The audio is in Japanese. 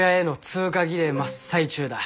通過儀礼真っ最中だ。